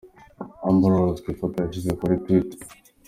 Amber Rose ku ifoto yashyize kuri Twitter.